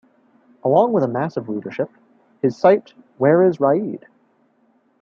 Along with a massive readership, his site Where is Raed?